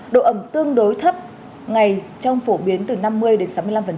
độ ẩm tương đối thấp ngày trong phổ biến từ năm mươi đến sáu mươi năm